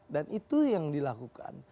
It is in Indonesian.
dan itu yang dilakukan